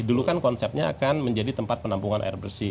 dulu kan konsepnya akan menjadi tempat penampungan air bersih